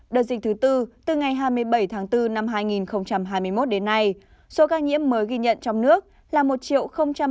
đợt dịch thứ bốn từ ngày hai mươi bảy tháng bốn năm hai nghìn hai mươi một đến nay số ca nhiễm mới ghi nhận trong nước là một ba mươi chín mươi sáu ca